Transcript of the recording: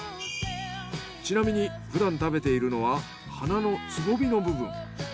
ちなみにふだん食べているのは花のつぼみの部分。